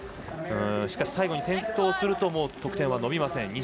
しかし、最後に転倒すると得点は伸びません。